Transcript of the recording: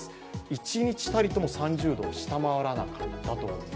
一日たりとも３０度を下回らなかった。